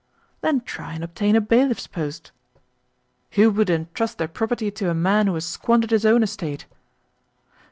"Then try and obtain a bailiff's post." "Who would entrust their property to a man who has squandered his own estate?"